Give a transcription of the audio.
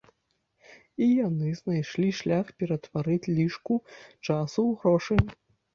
І яны знайшлі шлях ператварыць лішку часу ў грошы.